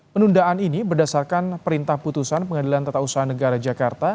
penundaan ini berdasarkan perintah putusan pengadilan tata usaha negara jakarta